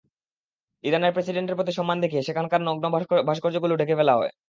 ইরানের প্রেসিডেন্টের প্রতি সম্মান দেখিয়ে সেখানকার নগ্ন ভাস্কর্যগুলো ঢেকে ফেলা হয়।